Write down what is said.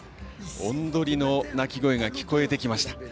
おん鳥の鳴き声が聞こえてきました。